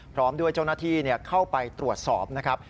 พร้อมด้วยเจ้าหน้าที่เข้าไปตรวจสอบนะครับ